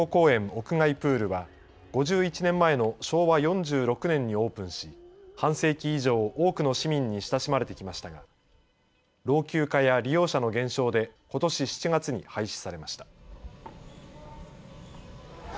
屋外プールは５１年前の昭和４６年にオープンし半世紀以上、多くの市民に親しまれてきましたが老朽化や利用者の減少でことし７月に廃止されました。